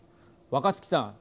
若槻さん。